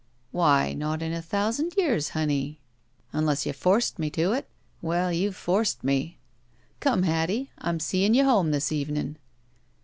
"Why, not in a thousand years, honey, unless 167 THE SMUDGE you forced me to it. Well, you've forced me. Come, Hattie, I'm seein' you home this evenin'."